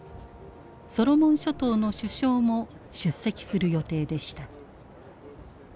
ソロモン諸島の首相も出席する予定でした。